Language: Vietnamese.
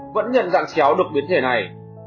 vẫn nhận dạng chéo được biến thể này